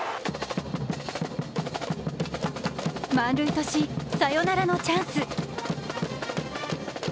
満塁とし、サヨナラのチャンス。